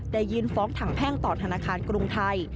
ยื่นฟ้องถังแพ่งต่อธนาคารกรุงไทย